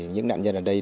những nạn nhân ở đây